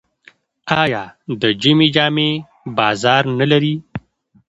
آیا د ژمي جامې بازار نلري؟